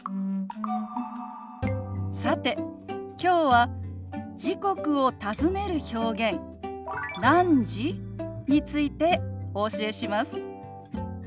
さてきょうは時刻を尋ねる表現「何時？」についてお教えします。